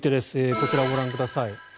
こちらをご覧ください。